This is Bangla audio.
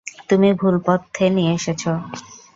তুমি ভুল পথে নিয়ে এসেছ!